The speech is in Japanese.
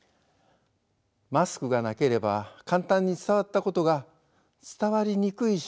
マスクがなければ簡単に伝わったことが伝わりにくい社会になりました。